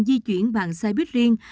di chuyển vàng xe buýt riêng